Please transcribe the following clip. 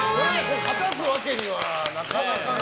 勝たすわけにはなかなかな。